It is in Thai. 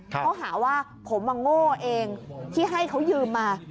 เขาหาว่าผมมาโง่เองที่ให้เขายืมมา